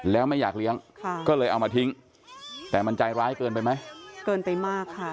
แล้วไม่อยากเลี้ยงก็เลยเอามาทิ้งแต่มันใจร้ายเกินไปไหมเกินไปมากค่ะ